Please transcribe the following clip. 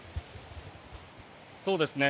そうですね。